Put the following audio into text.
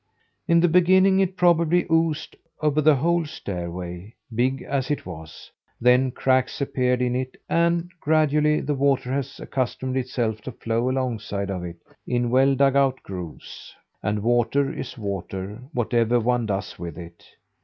In the beginning it probably oozed over the whole stairway, big as it was; then cracks appeared in it, and, gradually, the water has accustomed itself to flow alongside of it, in well dug out grooves. And water is water, whatever one does with it.